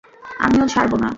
আমিও ছাড়ব না।